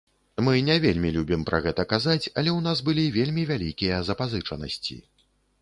Мы не вельмі любім пра гэта казаць, але ў нас былі вельмі вялікія запазычанасці.